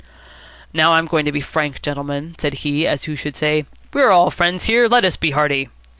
"Now, I'm going to be frank, gentlemen," said he, as who should say, "We are all friends here. Let us be hearty."